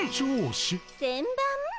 せんばん？